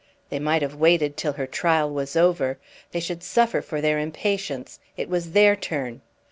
They might have waited till her trial was over; they should suffer for their impatience, it was their turn.